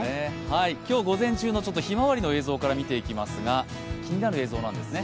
今日午前中の「ひまわり」の映像から見てまいりますが、気になる映像なんですね。